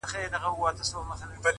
چي كله مخ ښكاره كړي ماته ځېرسي اې ه.